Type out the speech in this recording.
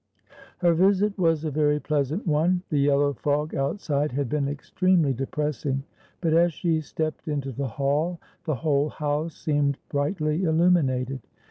Her visit was a very pleasant one. The yellow fog outside had been extremely depressing, but as she stepped into the hall, the whole house seemed brightly illuminated.